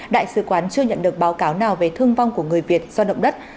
đại sứ quán chưa nhận được báo cáo nào về thương vong của người việt do động đất